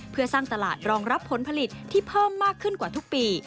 เพื่อสร้างตลาดรองรับผลผลิตที่เพิ่มมากขึ้นกว่าทุกปี